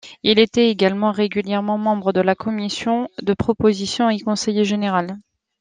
Il était également régulièrement membre de la commission de propositions et conseiller général.